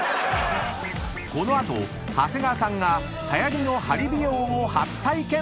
［この後長谷川さんがはやりの鍼美容を初体験！］